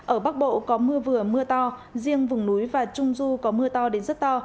ở bắc bộ có mưa vừa mưa to riêng vùng núi và trung du có mưa to đến rất to